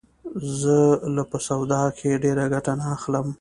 زه له په سواد کښي ډېره ګټه نه اخلم.